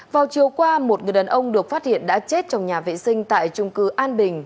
vào chiều qua một người đàn ông được phát hiện đã chết trong nhà vệ sinh tại trung cư an bình